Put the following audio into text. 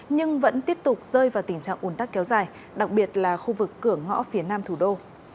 nhưng vẫn tiếp tục rơi vào tình trạng ồn tắc kéo dài đặc biệt là khu vực cửa ngõ phía nam thủ đô